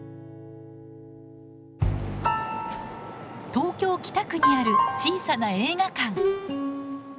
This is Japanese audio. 東京・北区にある小さな映画館。